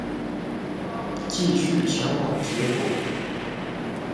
繼續前往結果